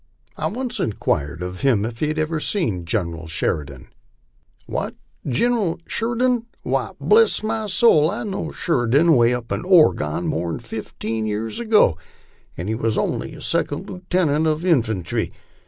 I once inquired of him if he had ever seen General Sheridan? "What, Gineral Shuridun? Why, bless my soul, I knowed Shuridun way up in Oregon more'n fifteen years ago, an 1 he wuz only a second lootenant uv infantry.